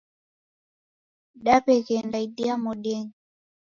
Daw'eghenda idia modenyi.